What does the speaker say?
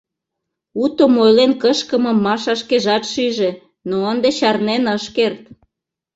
Утым ойлен кышкымым Маша шкежат шиже, но ынде чарнен ыш керт.